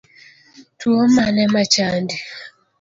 Tuo mane machandi